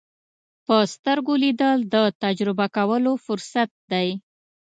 په سترګو لیدل د تجربه کولو فرصت دی